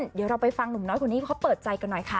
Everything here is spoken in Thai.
เดี๋ยวเราไปฟังหนุ่มน้อยคนนี้เขาเปิดใจกันหน่อยค่ะ